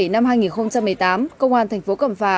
năm hai nghìn một mươi tám công an thành phố cẩm phà